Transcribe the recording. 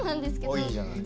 おいいじゃない。